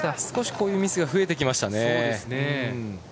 少し、こういうミスが増えてきましたね。